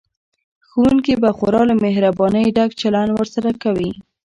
ښوونکي به خورا له مهربانۍ ډک چلند ورسره کوي